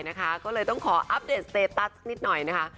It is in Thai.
จะต้องขออัพเดทสเตตัสนิดหน่อยนะคะ